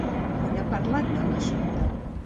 On ha parlat de l'assumpte?